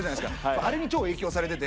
あれに超影響されてて。